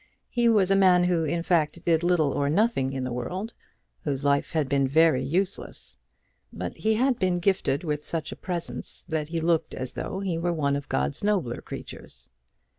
He was a man who, in fact, did little or nothing in the world, whose life had been very useless; but he had been gifted with such a presence that he looked as though he were one of God's nobler creatures.